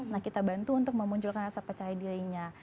nah kita bantu untuk memunculkan rasa percaya dirinya